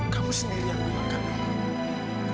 kamu sendiri yang mengangkat ini